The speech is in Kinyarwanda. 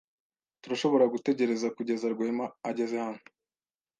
Turashobora gutegereza kugeza Rwema ageze hano.